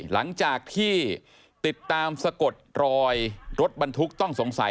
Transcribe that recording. หลังจากที่ติดตามสะกดรอยรถบรรทุกต้องสงสัย